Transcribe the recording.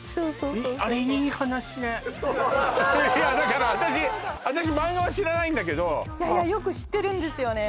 あれいい話ねだから私漫画は知らないんだけどいやいやよく知ってるんですよね